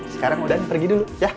sekarang udah pergi dulu ya